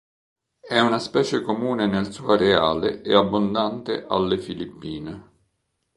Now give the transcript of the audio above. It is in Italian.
È una specie comune nel suo areale e abbondante alle Filippine.